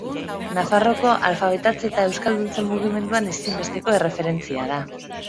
Nafarroako alfabetatze eta euskalduntze mugimenduan ezinbesteko erreferentzia da.